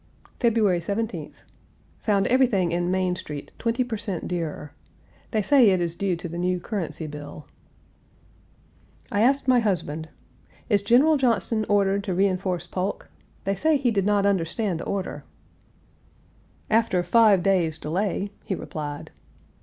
February 17th. Found everything in Main Street twenty per cent dearer. They say it is due to the new currency bill. I asked my husband: "Is General Johnston ordered to reenforce Polk, They said he did not understand the order." Page 291 "After five days' delay," he replied.